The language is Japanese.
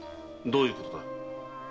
どういうことだ？